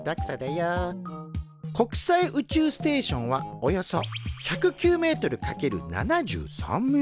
国際宇宙ステーションはおよそ１０９ｍ×７３ｍ。